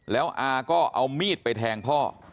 แล้วอาก็เอามีดไปแทงพ่อ